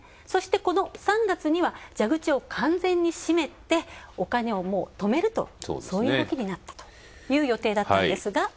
そして、３月には蛇口を完全に閉めてお金を止めると、そういう動きになったという予定だったんですが。